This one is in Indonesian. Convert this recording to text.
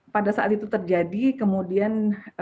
pada saat itu terjadi kemudian